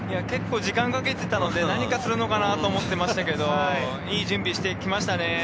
結構時間かけてたので、何かするのかなと思ってましたけど、いい準備をしてきましたね。